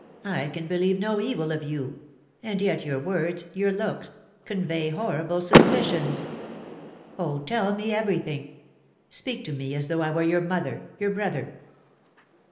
... I can believe no evil of you — and yet your words, your looks, convey horrible suspicions. Oh, tell me everything. Speak to me as though I were your mother — your brother.'